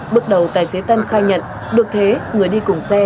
bước đầu tài xế tân khai nhận được thế người đi cùng xe